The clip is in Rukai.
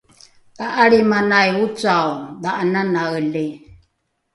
ta’alrimanai ocao dha’ananaeli